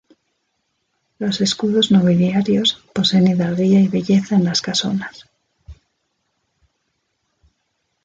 Los escudos nobiliarios poseen hidalguía y belleza en las casonas.